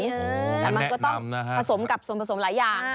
โอ้โฮมันแนะนำนะฮะวิตามินซีสูงแต่มันก็ต้องผสมกับผสมผสมหลายอย่าง